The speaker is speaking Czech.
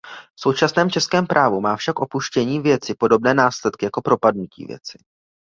V současném českém právu má však opuštění věci podobné následky jako propadnutí věci.